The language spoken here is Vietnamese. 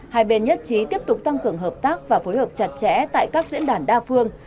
hai bên nhất trí tiếp tục tăng cường hợp tác và phối hợp chặt chẽ tại các diễn đàn đa phương